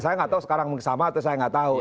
saya nggak tahu sekarang sama atau saya nggak tahu